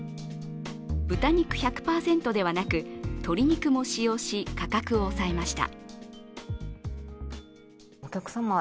豚肉１００％ではなく、鶏肉も使用し、価格を抑えました。